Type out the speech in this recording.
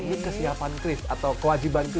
ini kesiapan kris atau kewajiban kris